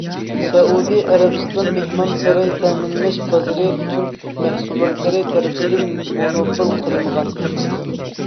سەئۇدى ئەرەبىستان مېھمانساراي تەمىنلەش بازىرى تۈرك مەھسۇلاتلىرى تەرىپىدىن مونوپول قىلىنغان.